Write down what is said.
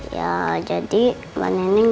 ya jadi mba neneng